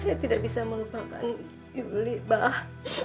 saya tidak bisa melupakan yuli mbak